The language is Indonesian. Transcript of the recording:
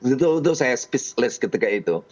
itu saya spesialis ketika itu